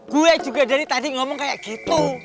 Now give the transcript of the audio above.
gue juga dari tadi ngomong kayak gitu